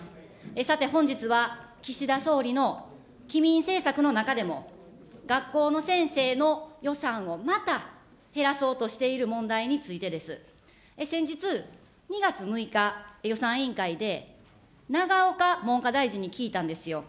さて、本日は岸田総理の棄民政策の中でも、学校の先生の予算をまた減らそうとしている問題についてです。先日、２月６日、予算委員会で永岡文科大臣に聞いたんですよ。